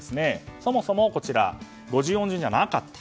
そもそも、五十音順じゃなかった。